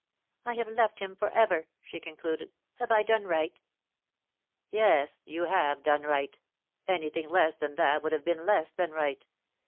" I have left him for ever," she concluded. " Have I done right ?"" Yes, you have done right. Anything less than that would have been less than right.